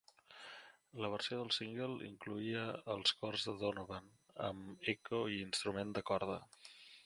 La versió del single incloïa els cors de Donovan amb eco i instrument de corda.